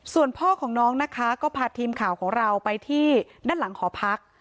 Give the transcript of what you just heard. ส่วนพ่อของน้องนะคะก็พาทีมข่าวของเราไปที่ด้านหลังหอพัก